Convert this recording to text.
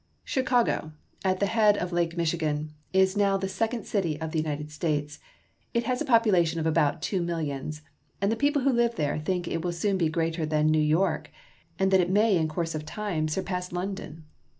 CHICAGO, at the head of Lake Michigan, is now the second city of the United States. It has a popula tion of about two millions, and people who live there think it will soon be greater than New York and that it may in 226 CHICAGO. course of time surpass London!